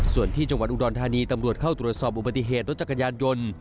ส่วนที่จังหวัดอุดรธานีตำรวจเข้าตรวจสอบอุบัติเหตุรถจักรยานยนต์